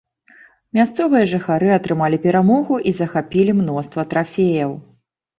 Мясцовыя жыхары атрымалі перамогу і захапілі мноства трафеяў.